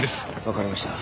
分かりました。